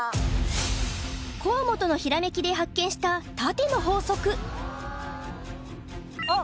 河本のひらめきで発見したあっ